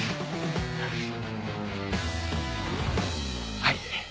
はい。